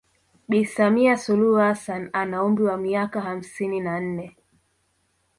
Bi Samia Suluhu Hassanni ana umri wa miaka hamsini na nne